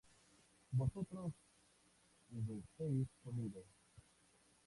¿vosotros hubisteis comido?